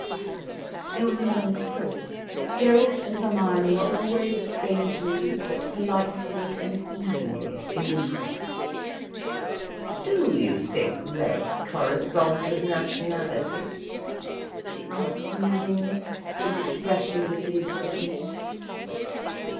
There was a moment's pause. Gerald and Hermione were always strangely but politely and evenly inimical. "Do you think race corresponds with nationality?" she asked musingly, with expressionless indecision.